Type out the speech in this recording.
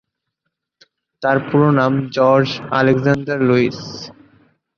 তার পুরো নাম জর্জ আলেকজান্ডার লুইস।